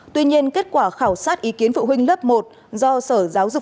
tuy nhiên kết quả khảo sát ý kiến phụ huynh lớp một do sở giáo dục